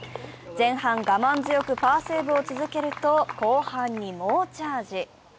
前半、我慢強くパーセーブを続けると、後半に猛チャージ。